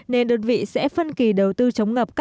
nên đơn vị sẽ phân kỳ đầu tư chống ngập